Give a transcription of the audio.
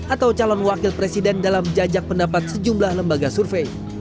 atau calon wakil presiden dalam jajak pendapat sejumlah lembaga survei